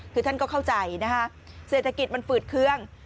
คือท่านก็เข้าใจนะคะเศรษฐกิจมันฝืดเครื่อง